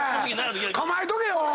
構えとけよ！